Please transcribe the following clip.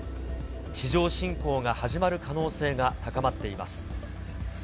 地上侵攻が始まる可能性が高まっています。